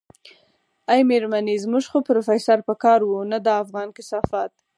ای مېرمنې زموږ خو پروفيسر په کار و نه دا افغان کثافت.